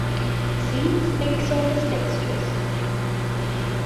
Seeds may be sold as mixtures.